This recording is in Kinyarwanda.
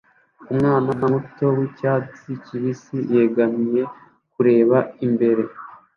Umwana muto wicyatsi kibisi yegamiye kureba imbere